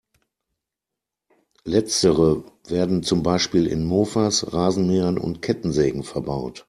Letztere werden zum Beispiel in Mofas, Rasenmähern und Kettensägen verbaut.